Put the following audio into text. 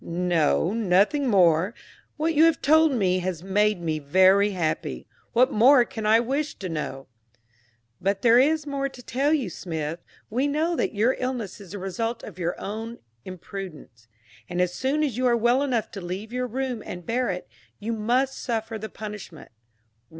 "No; nothing more. What you have told me has made me very happy what more can I wish to know?" "But there is more to tell you, Smith. We know now that your illness is the result of your own imprudence; and as soon as you are well enough to leave your room and bear it, you must suffer the punishment."